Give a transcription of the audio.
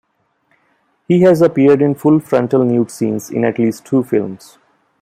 He has appeared in full-frontal nude scenes in at least two films.